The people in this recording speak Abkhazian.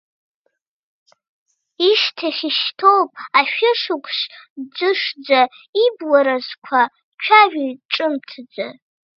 Ишьҭахь ишьҭоуп ашәышқәс ӡышӡа, ибла разқәа цәажәоит ҿымҭӡа.